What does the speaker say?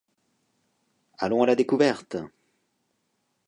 Allons à la découverte !